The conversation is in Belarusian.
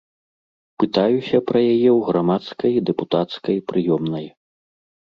Пытаюся пра яе ў грамадскай дэпутацкай прыёмнай.